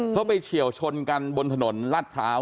เขาไปเฉียวชนกันบนถนนลาดพร้าว